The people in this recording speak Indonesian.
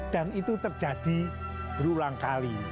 dan itu terjadi berulang kali